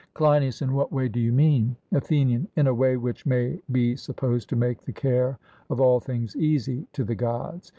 CLEINIAS: In what way do you mean? ATHENIAN: In a way which may be supposed to make the care of all things easy to the Gods.